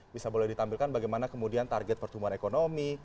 bisa boleh ditampilkan bagaimana kemudian target pertumbuhan ekonomi